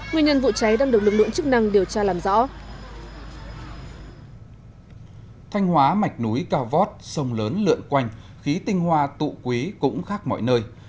nguyên nhân vụ cháy đang được lực lượng chức năng điều tra làm rõ